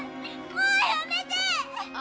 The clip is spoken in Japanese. もうやめて！